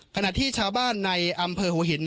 ขณะที่ชาวบ้านในอำเภอหัวหิน